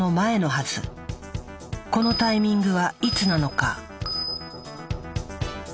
このタイミングはいつなのか？